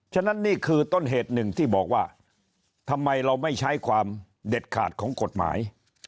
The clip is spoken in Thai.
ฉะนั้นนี่คือต้นเหตุหนึ่งที่บอกว่าทำไมเราไม่ใช้ความเด็ดขาดของกฎหมาย